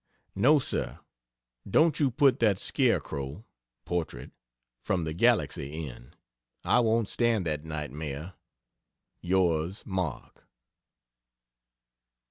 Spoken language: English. No sir: Don't you put that scarecrow (portrait) from the Galaxy in, I won't stand that nightmare. Yours, MARK.